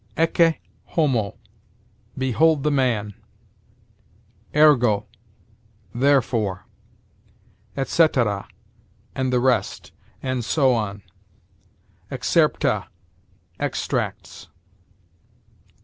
Ecce homo: behold the man. Ergo: therefore. Et cetera: and the rest; and so on. Excerpta: extracts.